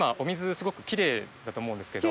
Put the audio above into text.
すごくきれいだと思うんですけど。